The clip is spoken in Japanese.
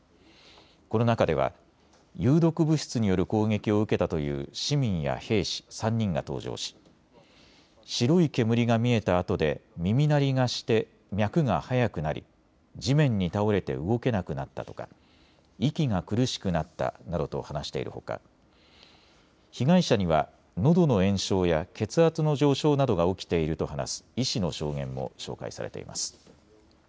この中では、有毒物質による攻撃を受けたという市民や兵士３人が登場し、白い煙が見えたあとで耳鳴りがして脈が速くなり地面に倒れて動けなくなったとか、息が苦しくなったなどと話しているほか被害者にはのどの炎症や血圧の上昇などが起きていると話す医師の証言も紹介されています。